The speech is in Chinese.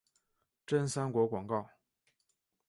真三国广告。